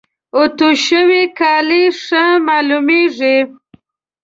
اوتو شوي کالي ښه معلوميږي.